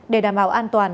để đảm bảo an toàn